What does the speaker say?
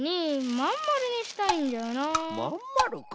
まんまるか。